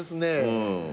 うん。